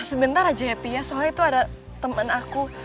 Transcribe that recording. sebentar aja ya pi soalnya itu ada temen aku